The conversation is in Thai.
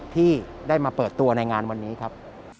ที่ได้มาเปิดตัวในงานวันนี้ครับ